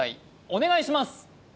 お願いします